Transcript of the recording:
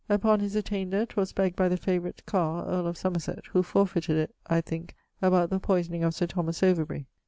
Upon his attainder, 'twas begged by the favorite Carr, earl of Somerset, who forfeited it (I thinke) about the poysoning of Sir Thomas Overbury.